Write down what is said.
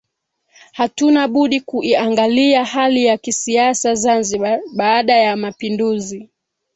Hatuna budi kuiangalia hali ya kisiasa Zanzibar baada ya Mapinduzi